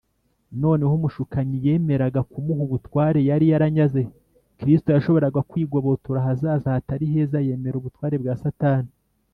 . Noneho umushukanyi yemeraga kumuha ubutware yari yaranyaze. Kristo yashoboraga kwigobotora ahazaza hatari heza yemera ubutware bwa Satani.